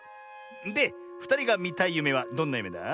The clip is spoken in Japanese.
でふたりがみたいゆめはどんなゆめだ？